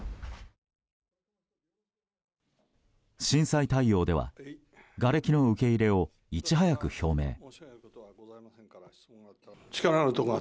震災対応ではがれきの受け入れをいち早く表明。